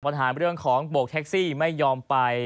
ปัญหาเรื่องของโบกแท็กซี่ไม่ยอมไป